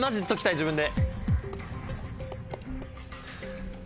自分で。